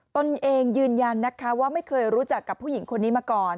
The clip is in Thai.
ตนเองยืนยันนะคะว่าไม่เคยรู้จักกับผู้หญิงคนนี้มาก่อน